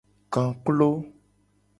Kaklo.